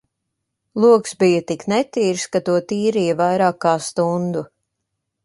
Logs bija tik netīrs, ka to tīrīja vairāk kā stundu